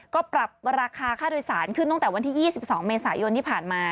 ก็ปรับราคาค่าโดยสารขึ้นตั้งแต่วันที่๒๒เมษายนที่ผ่านมา